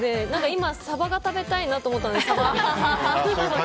今、サバが食べたいなと思ったので、サバを。